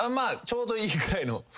ちょうどいいぐらいの。